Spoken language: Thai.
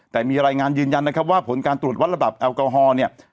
แต่มีรายงานยืนยันนะครับว่าผลการตรวจวัดระดับแอลกอฮอล์เนี่ย